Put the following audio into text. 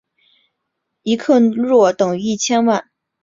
一克若等于一千万。